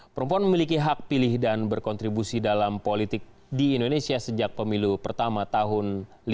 perempuan memiliki hak pilih dan berkontribusi dalam politik di indonesia sejak pemilu pertama tahun seribu sembilan ratus lima puluh